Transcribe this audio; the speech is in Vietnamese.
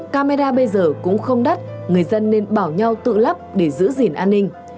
camera bây giờ cũng không đắt người dân nên bảo nhau tự lắp để giữ gìn an ninh